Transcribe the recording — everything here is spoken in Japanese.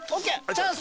チャンス